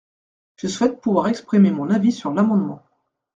Je souhaite pouvoir exprimer mon avis sur l’amendement.